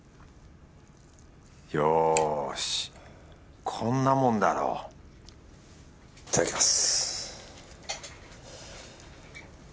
よしこんなもんだろういただきます。